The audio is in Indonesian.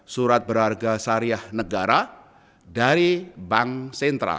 surat berharga sariah negara dari bank sentra